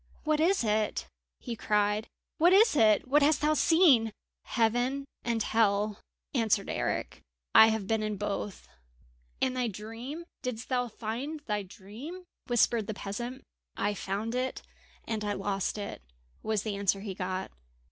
"What is it?" he cried. "What is it? What hast thou seen?" "Heaven and Hell," answered Eric. "I have been in both!" "And thy dream didst thou find thy dream?" whispered the peasant. "I found it and I lost it," was the answer he got.